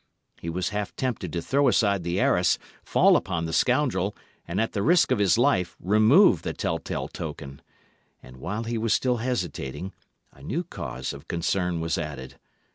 He was half tempted to throw aside the arras, fall upon the scoundrel, and, at the risk of his life, remove the telltale token. And while he was still hesitating, a new cause of concern was added.